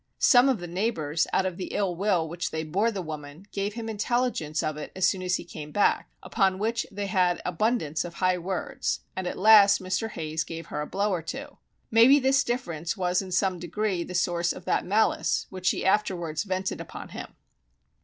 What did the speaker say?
Some of the neighbours out of ill will which they bore the woman, gave him intelligence of it as soon as he came back, upon which they had abundance of high words, and at last Mr. Hayes gave her a blow or two. Maybe this difference was in some degree the source of that malice which she afterwards vented upon him.